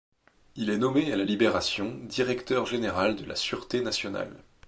Il est nommé à la Libération directeur général de la Sûreté nationale.